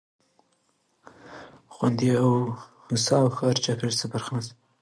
خوندي او هوسا ښاري چاپېريال څخه برخمن سي.